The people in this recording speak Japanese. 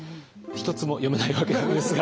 一つも読めないわけなんですが。